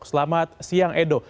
selamat siang edo